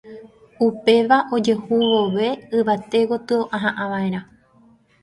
upéva ojehu vove yvate gotyo ahava'erã